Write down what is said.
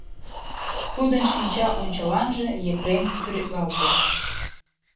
Тудын шинча ончыланже Епрем сӱретлалте.